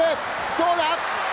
どうだ？